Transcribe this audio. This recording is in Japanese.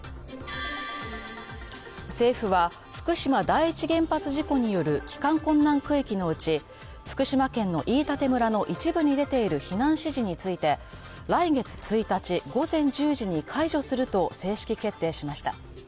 政府は、福島第一原発事故による帰還困難区域のうち、福島県の飯舘村の一部に出ている避難指示について来月１日午前１０時に解除すると正式決定しました。